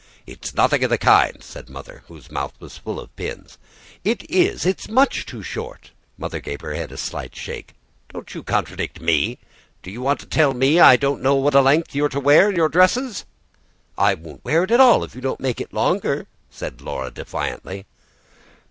"It's nothing of the kind," said Mother, with her mouth full of pins. "It is, it's much too short." Mother gave her a slight shake. "Don't you contradict ME! Do you want to tell me I don't know what length you're to wear your dresses?" "I won't wear it at all if you don't make it longer," said Laura defiantly.